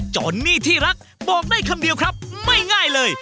จอนนี่ที่รักบอกได้คำเดียวครับไม่ง่ายเลย